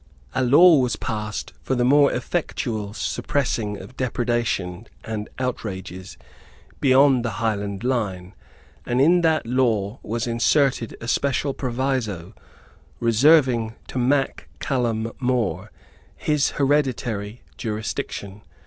A law was passed for the more effectual suppressing of depredations and outrages beyond the Highland line; and in that law was inserted a special proviso reserving to Mac Callum More his hereditary jurisdiction.